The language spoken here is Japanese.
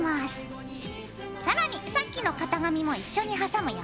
更にさっきの型紙も一緒に挟むよ。